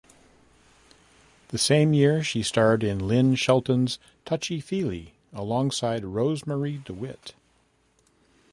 The same year she starred in Lynn Shelton's "Touchy Feely" alongside Rosemarie DeWitt.